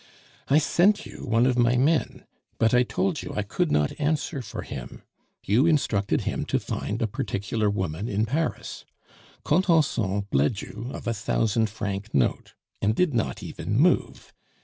I sent you one of my men, but I told you I could not answer for him; you instructed him to find a particular woman in Paris; Contenson bled you of a thousand franc note, and did not even move.